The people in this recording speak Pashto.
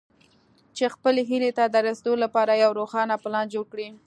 چې خپلې هيلې ته د رسېدو لپاره يو روښانه پلان جوړ کړئ.